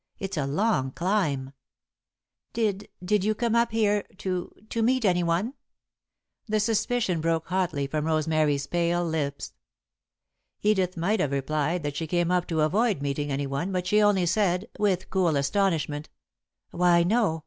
It's a long climb." "Did did you come up here to to meet anyone?" The suspicion broke hotly from Rosemary's pale lips. Edith might have replied that she came up to avoid meeting anyone, but she only said, with cool astonishment: "Why, no.